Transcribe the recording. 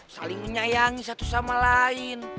saling menyayangi satu sama lain